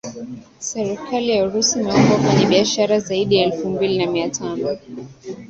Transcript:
serikali ya urusi imewaomba wafanyibishara zaidi ya elfu mbili na mia tano